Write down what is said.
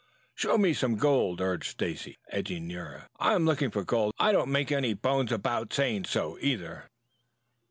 "Show me some gold," urged Stacy, edging near. "I am looking for gold. I don't make any bones about saying so, either."